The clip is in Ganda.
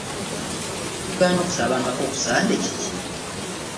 Ekikugaana okusabangako ku Ssande kiki?